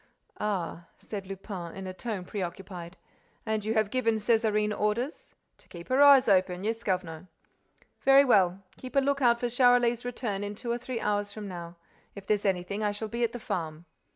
"Ah!" said Lupin, in a tone preoccupied. "And you have given Césarine orders—" "To keep her eyes open. Yes, governor." "Very well. Keep a lookout for Charolais's return in two or three hours from now. If there's anything, I shall be at the farm."